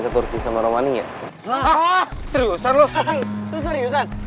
ke turki sama romani ya hahaha seriusan lu